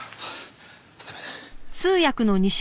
すいません。